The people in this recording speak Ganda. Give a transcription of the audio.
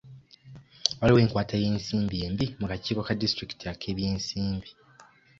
Waliwo enkwata y'ensimbi embi mu kakiiko ka disitulikiti ak'ebyensimbi.